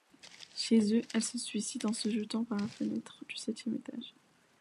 Chez eux, elle se suicide en se jetant par la fenêtre du septième étage.